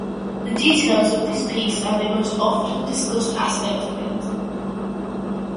The details of this piece are the most often discussed aspect of it.